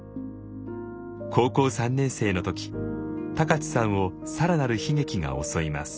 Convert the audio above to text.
高校３年生の時高知さんを更なる悲劇が襲います。